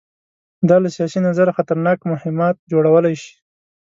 دا له سیاسي نظره خطرناک مهمات جوړولی شي.